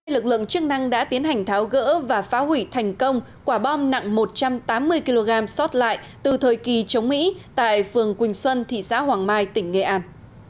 lực lượng chức năng đã tiến hành tháo gỡ và phá hủy thành công quả bom nặng một trăm tám mươi kg xót lại từ thời kỳ chống mỹ tại phường quỳnh xuân thị xã hoàng mai tỉnh nghệ an